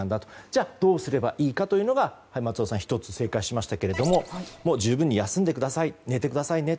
じゃあどうすればいいかというのが松尾さん１つ正解しましたけれども十分に休んでください寝てくださいね。